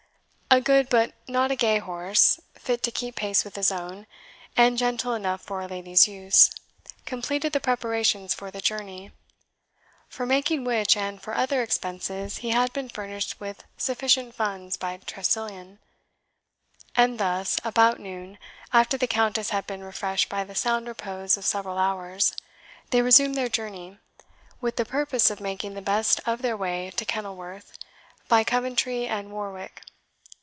A good but not a gay horse, fit to keep pace with his own, and gentle enough for a lady's use, completed the preparations for the journey; for making which, and for other expenses, he had been furnished with sufficient funds by Tressilian. And thus, about noon, after the Countess had been refreshed by the sound repose of several hours, they resumed their journey, with the purpose of making the best of their way to Kenilworth, by Coventry and Warwick.